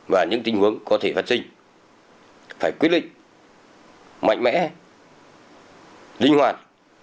và những tình huống có thể phát sinh phải quyết định mạnh mẽ linh hoạt